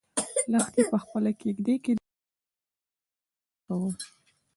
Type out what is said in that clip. لښتې په خپله کيږدۍ کې د یوازیتوب احساس کاوه.